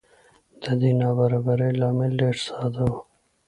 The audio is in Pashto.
د دې نابرابرۍ لامل ډېر ساده و